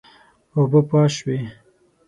اوبه پاش شوې.